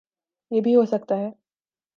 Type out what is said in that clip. یہ بھی ہوسکتا ہے